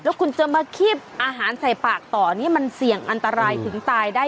คุณจะมาคีบอาหารใส่ปากต่อนี่มันเสี่ยงอันตรายถึงตายได้